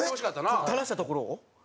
垂らしたところを？